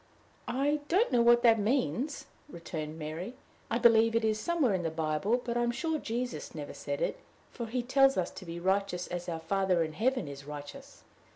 "I don't know what that means," returned Mary. "I believe it is somewhere in the Bible, but I am sure Jesus never said it, for he tells us to be righteous as our Father in heaven is righteous."